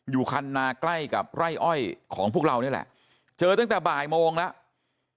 อยู่คันนาใกล้กับไร่อ้อยของพวกเรานี่แหละเจอตั้งแต่บ่ายโมงแล้ว